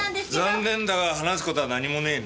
残念だが話すことは何もねえな。